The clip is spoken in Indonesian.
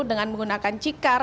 dengan menggunakan cikar